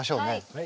はい。